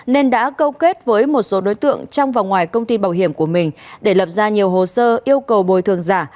nên đã câu kết với một số đối tượng trong và ngoài công ty bảo hiểm của mình để lập ra nhiều hồ sơ yêu cầu bồi thường giả